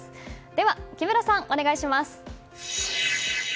では木村さん、お願いします。